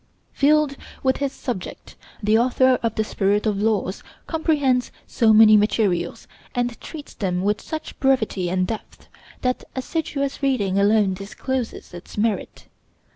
Filled with his subject, the author of the 'Spirit of Laws' comprehends so many materials, and treats them with such brevity and depth, that assiduous reading alone discloses its merit.